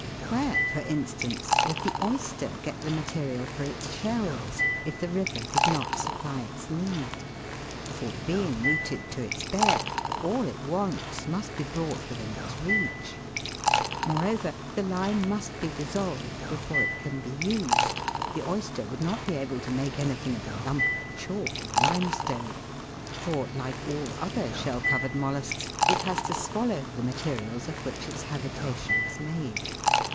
Where, for instance, would the oyster get the material for its shells, if the rivers did not supply its need ; for, being rooted to its bed, all it wants must be brought within its reach ? Moreover, the lime must be dissolved before it can be used ; the oyster would not be able to make anything of a lump of chalk or limestone ; for, like all other shell covered mollusks, it has to swallow the materials of which its habitation is made.